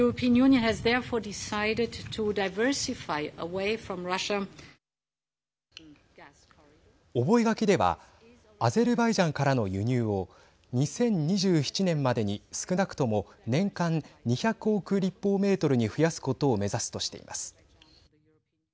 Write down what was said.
覚書ではアゼルバイジャンからの輸入を２０２７年までに少なくとも年間２００億立方メートルに増やすことを目指すとしています。